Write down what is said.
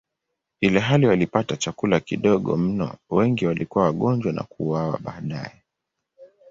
Ilhali walipata chakula kidogo mno, wengi walikuwa wagonjwa na kuuawa baadaye.